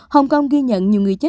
hồng kông ghi nhận nhiều người chết